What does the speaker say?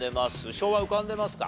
昭和浮かんでますか？